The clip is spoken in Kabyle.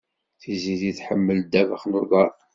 Tiziri tḥemmel ddabex n uḍar.